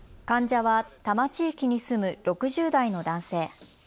患者は多摩地域に住む６０代の男性。